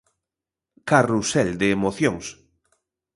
Carrusel de emocións.